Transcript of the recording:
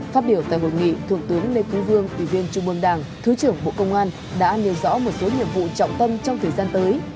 phát biểu tại hội nghị thượng tướng lê quý vương ủy viên trung mương đảng thứ trưởng bộ công an đã nêu rõ một số nhiệm vụ trọng tâm trong thời gian tới